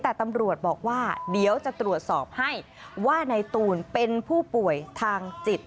แต่ตำรวจบอกว่าเดี๋ยวจะตรวจสอบให้ว่านายตูนเป็นผู้ป่วยทางจิต